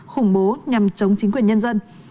khủng bố nhằm chống chính quyền nhân dân